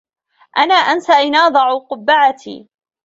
أنا أنسى أين أضع قبّعتي.